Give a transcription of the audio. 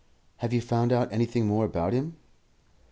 "Have you found out anything more about him?"